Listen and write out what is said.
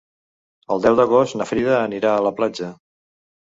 El deu d'agost na Frida anirà a la platja.